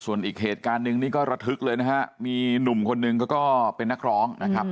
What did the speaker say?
ส่วนอีกเหตุการณ์หนึ่งนี่ก็ระทึกเลยนะฮะมีหนุ่มคนนึงเขาก็เป็นนักร้องนะครับ